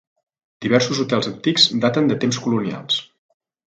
Diversos hotels antics daten de temps colonials.